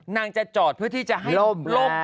นางจะจอดเพื่อที่จะให้ล่ม